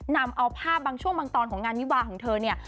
นำเอาภาพบางช่วงบางตอนของงานวิวาของเธอเนี่ย